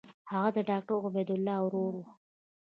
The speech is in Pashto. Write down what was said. هغه د ډاکټر عبدالله ورور و.